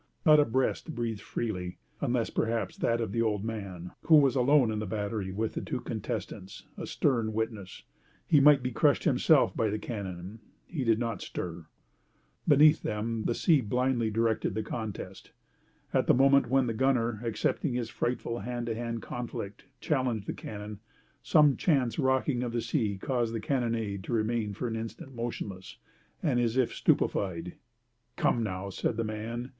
Not a breast breathed freely, unless perhaps that of the old man, who was alone in the battery with the two contestants, a stern witness. He might be crushed himself by the cannon. He did not stir. Beneath, them the sea blindly directed the contest. At the moment when the gunner, accepting this frightful hand to hand conflict, challenged the cannon, some chance rocking of the sea caused the carronade to remain for an instant motionless and as if stupefied. "Come, now!" said the man.